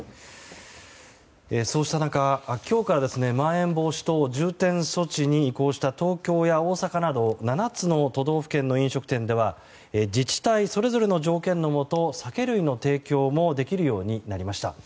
そうした中今日からまん延防止等重点措置に移行した東京や大阪など７つの都道府県の飲食店では自治体それぞれの状況のもと酒類の提供もできるようになりました。